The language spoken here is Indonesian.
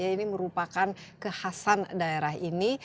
ini merupakan kekhasan daerah ini